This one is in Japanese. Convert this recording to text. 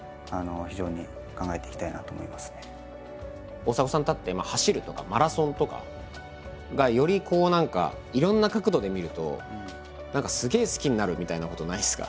大迫さんにとって走るとかマラソンとかがより何かいろんな角度で見ると何かすげえ好きになるみたいなことないんですか？